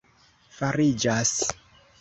fariĝas